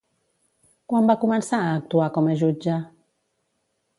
Quan va començar a actuar com a jutge?